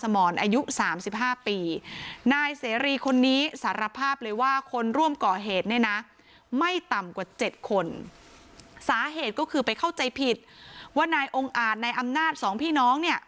ไม่ต่ำกว่า๗คนสาเหตุก็คือไปเข้าใจผิดว่านายองอาจนายอำนาจสองพี่น้องเนี่ย